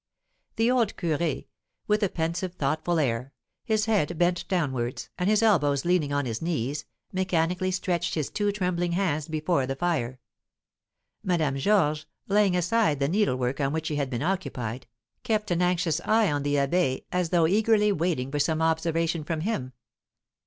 The old curé, with a pensive, thoughtful air, his head bent downwards, and his elbows leaning on his knees, mechanically stretched his two trembling hands before the fire. Madame Georges, laying aside the needlework on which she had been occupied, kept an anxious eye on the abbé, as though eagerly waiting for some observation from him.